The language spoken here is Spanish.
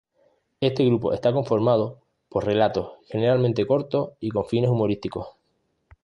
Este grupo está conformado por relatos generalmente cortos y con fines humorísticos.